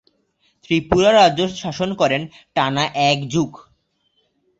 ত্রিপুরা রাজ্য শাসন করেন টানা এক যুগ।